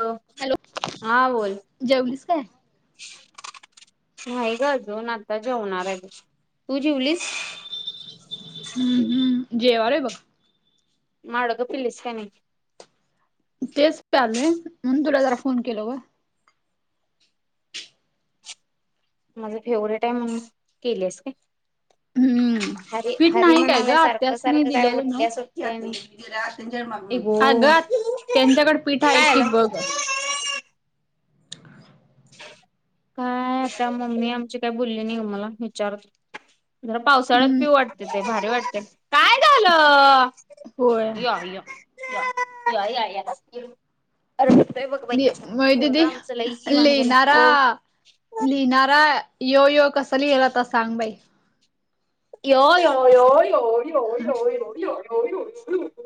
हो हॅलो हा बोल. जेवलीस काय नाही ग अजून आता जेवणार आहे. तू जेवलीस? हम्म हम्म जेवायले बघ. माडगं पिलीस का नाय? तेच प्यायले म्हणून तुला जरा फोन केला ग. माझ फेवरेट आहे म्हणून केलस काय? हम्म हरी पीठ हरी नाही काय म्हणालाय गं सारखं आत्यासनि सारखं काय दिलेलं उठल्या सुटल्या आणि ए गो अगं आत्या त्यांच्याकड पीठ आहे काय की झालं बघ. काय आशात मम्मी आमची काही बोलली नाही ग मला विचारत जरा पावसाळ्यात हम्म पिऊ वाटतं ते भारी वाटतंय काय झालं? होय या या या या या या बस की अर [unintelligible] बघ बाई कसं होय पोरगं आमचं लई वांड झालंय ओ आ लिहिणारा यो यो कसा लिहिल आता सांग बाई यो यो यो यो अयो अयो अयो अयो अयो अयो अयो अयो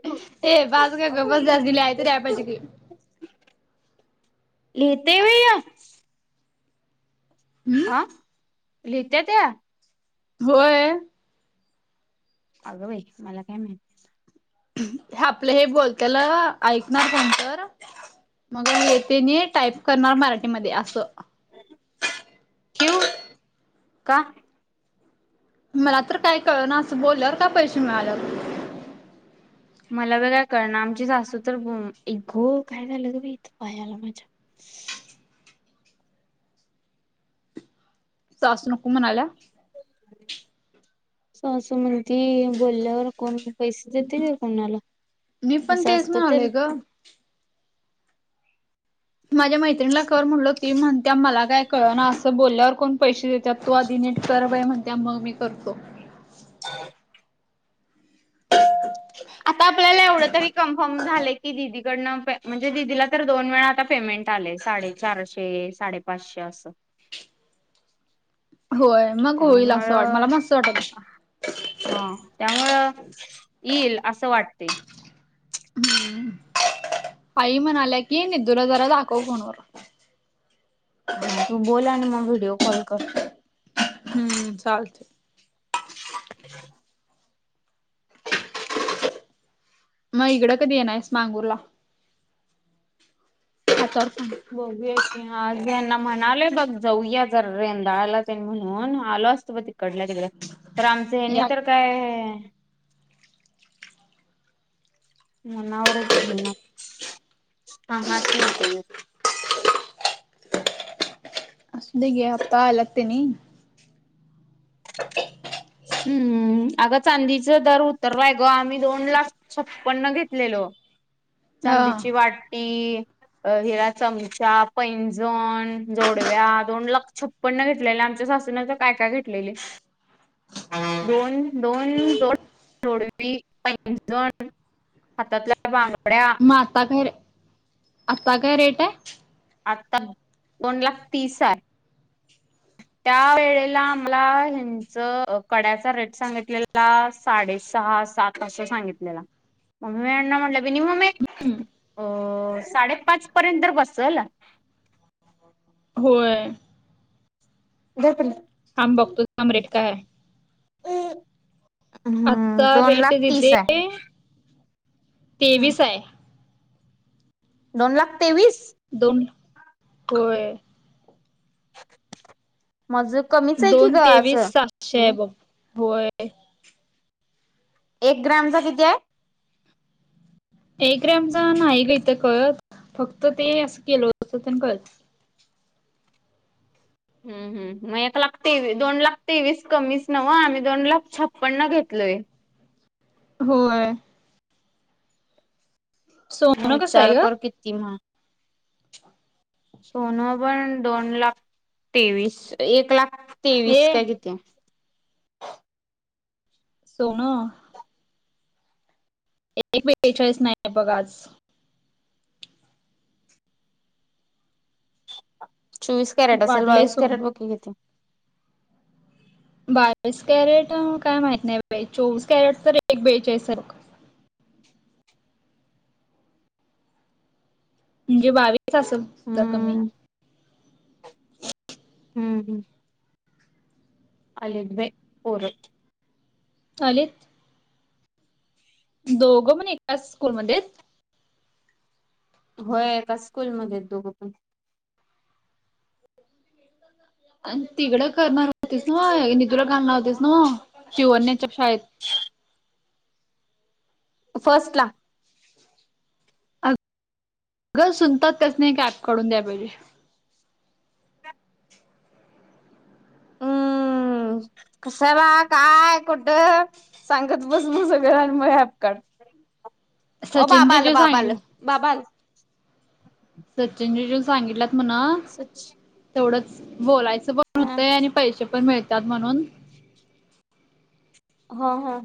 ये बास ग बस [unintelligible] लिहितय वह्या. हम्म आं लिहितय त्या होय. अगं बाई मला काय माहित. आपल हे बोलत्याल ऐकणार कोण तर मग हे तेनी टाईप करणार मराठीमध्ये अस. ठेवू का? मला तर काय कळना असं बोलल्यावर का पैसे मिळाल्यात मला बी काय कळणा आमची सासू तर आई गो काय झालं ग बाई इथं पायाला माझ्या [inaudible] सासू नको म्हणाल्या सासू म्हणती बोल्यावर कोण पैसे देतय काय कोणाला मी पण असं तेच असतं तर म्हणालोय ग. माझ्या मैत्रीणीला कर म्हणलं होत ती म्हणत्या मला काय कळना असं बोल्यावर कोण पैसे देत त्यात तू आधी नीट कर बाई म्हणत्या मग मी करतो. [inaudible] आता आपल्याला एवढं तरी कन्फर्म झालंय की दीदी कडन पे म्हणजे दिदीला तर दोन वेळा आता पेमेंट आलंय साडे चारशे साडेपाचशे असं होय मग होइल असं वाट त्यामुळं मला मस्त वाटत असं- हा त्यामुळं येईल असं वाटतंय हम्म आई म्हणाल्या की निद्दूला जरा दाखव फोनवर हां तू बोल आणि म व्हिडिओ कॉल कर. हम्म चालतंय मग इकडं कधी येणारयेस मांगूर ला. हातावर पाणी बघूया की आज यांना म्हणालोय बघ जाऊया जर रेंदाळ्याला तेनं म्हणून आलो असतो ब तिक कडल्या तिकडं तर आमचं हेनी या तर काय मनावरच घेय ना हा हाच म्हणते मी असुदे की आता आल्यात तेनी [inaudible] हम्म अगं चांदीच दर उतरलाय गं आम्ही दोन लाख छप्पन्न घेतलेलो अ चांदीची वाटी अ हिला चमचा, पैंजण, जोडव्या दोन लाख छप्प पन्न घेतलेलं आमच्या सासून त काय काय घेटलेली दोन दोन जोड जोडवी पैंजन हातातल्या बांगड्या म आता काय रे आता काय रेट आय? आता दोन लाख तीस आय. त्या वेळेला आम्हाला ह्यांच कड्याचा रेट सांगितलेला साडेसहा सात असं सांगितलेला म मी यांना म्हणलं बी नी मम्मे अ साडेपाच पर्यंत तर बसल होय. झोपील - थांब बघतो थांब रेट काय हाय. हम्म आत्ता दोन रेट लाख तीस दिदी आहे तेवीस आय. दोन लाख तेवीस. दोन ल, होय. माज कमी दोन तेवीस सातशे हाय बघ. होय. एक ग्रामचा किती आय. एक ग्रॅमचा नाही ग इथं कळत फक्त ते असं केलं होतं ते पण कळत. हम्म, हम्म मग एक लाख तेवीस दोन लाख तेवीस कमीच न्हवं आम्ही दोन लाख छप्पन्न घेतलोय. होय. सोनं कसं विचार आहे ग? कर किती म सोनं पण दोन लाख तेवीस, एक लाख तेवीस ए काय किती हाय. सोन. एक बेचाळीसन आहे बघ आज. चोवीस कॅरेट असेल, वाढलंय बावीस सोनं. कॅरेट बघकी किती? बावीस कॅरेट काय माहित नाही बाई चोवीस कॅरेट तर एक बेचाळीस आहे. म्हणजे बावीस असल सुद्दा कमी. हम्म हम्म, हम्म. आलेत बाई पोर. आलेत? दोघं पण एकाच स्कूलमध्ये? होय एका स्कूलमध्ये दोघं पण. आणि तिकडं करणार होतीस ना, निदूला घालणार होतीस न्हवं चिवण्याच्या शाळेत. फस्ट ला. अ. अगं सुनता त्यासनी एक ऍप कडुन द्या पाहिजे. हम्म, कशाला, काय, कुठं सांगत बस म सगळ न मग ऍप काढ सचिन बाबा आलं जीजू बाबा आलं. सांगितलं बाबा आलं. सचिन जीजून सांगितल्यात म्हणा सची तेवढंच बोलायचं पण होतंय आणि पैसे पण मिळतात म्हणून हा हा.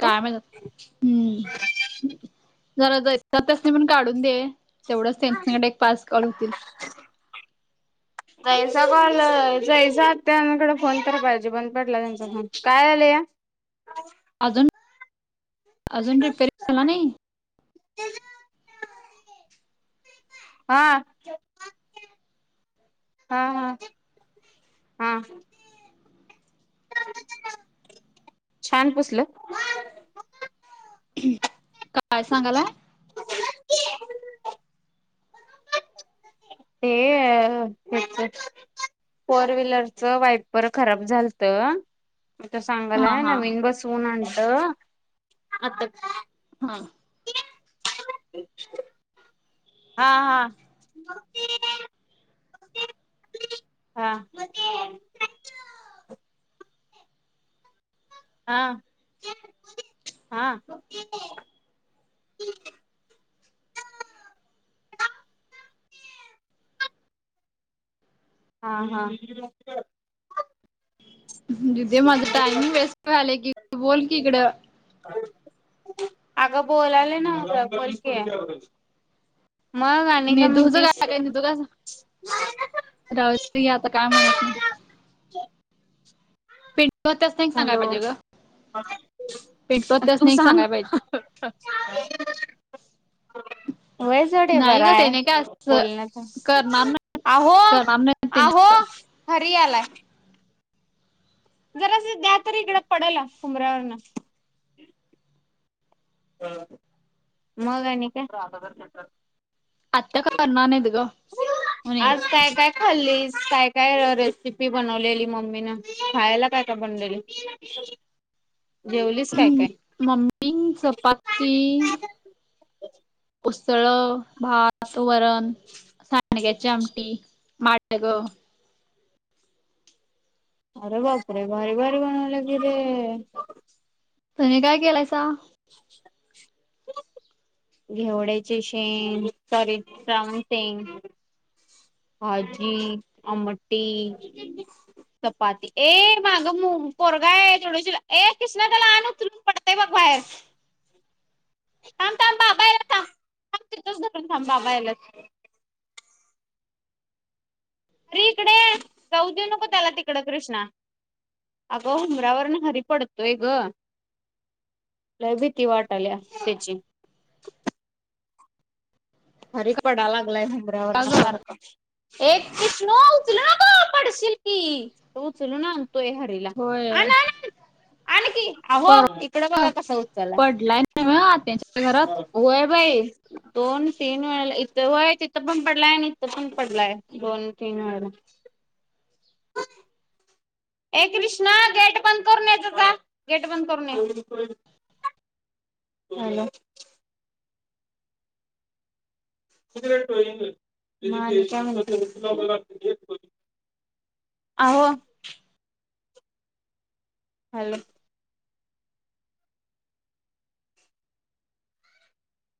काय माहित, हम्म जरा जेत्यसनी म्हणून काढून दे. तेवढंच त्यांच्या कडे एक पाच कॉल होतील. [inaudible] जायचा कॉल जायचा त्यांकडे फोन तर पाहिजे बंद पडला त्यांचा फोन, काय आलया? अजून, अजून रिपेअर केला नाही? हा. हा हा. हा. छान पुसलं. काय सांगालाय? ते त्याच फोर व्हीलरचं वायपर खराब झालत. म ते हा सांगालाय हा नवीन बसऊन आणल आता हा. अच [inaudible] हा हा. हा [inaudible] हा हा. [inaudible] हा हा. [inaudible] दिदे माझ टाईमिंग वेस्ट व्हालाय की बोल की इकड. अगं बोलालोय नव ग बोल की मग आणि काय निधूचं म्हणतीस काय राहुदे घे आता काय म्हणत नाही. पिंटू तात्यास्नी एक सांगाय हॅलो पाहिजे ग पिंटू होत्यास तू नाही सांग सांगाय पाहिजे ह ह ह [inaudible] होय सोड हे बर नाही ग हाय. त्याने काय असं बोलण्याचा करणार नाही आहो करणार नाही त्याने आहो असं हरि आलाय जरास द्या तरी इकडं पडल हूंबऱ्यावरण मग आणि काय आत्या काय करणार नाहीत ग म्हणे आज काय काय खल्लीस काय काय रेसिपी बनवलेली मम्मीनं खायाला काय काय बनवलेली [inaudible] हम्म मम्मी चपाती उसळ भात वरण सांडग्याची आमटी माटगं अरे बापरे भारी भारी बनवल्या की रे तुम्ही काय केलायसा [unintelligible] घेवड्याची शेंग सॉरी प्रावून सेंग भााजी आमटी चपाती ए मागं मु पोरगाय तुडवशील ए किशणा त्याला आण उचलून पडतय बघ बाहेर थांब थांब बाबा यायल्यात थांब थांब तिथच धरून थांब बाबा यायल्यात श्री इकड ये जाऊ देऊ नको त्याला तिकड कृष्णा अगं हुंबऱ्यावरण घरी पडतोय ग लय भीती वाटाल्या तेची खाली पडा लागलाय का हुंबऱ्यावरन ग सारखं ए किष्णू उचलु नको पडशील की तो उचलून आणतोय ह पहिला होय आण आण आण की प आहो ईक तिकडं बघा कस उचललाय पडलाय नव्ह आत्याच्या घरात? होय बाई दोन तीन वेळेला इथं वय तिथं पण पडलाय आणि इथं पण पडलाय दोन तीन वेळेला [inaudible] ए क्रिष्णा गेट बंद करून येजा जा गेट बंद करून ये जा हॅलो मग आणि काय म्हणतीस आहो हॅलो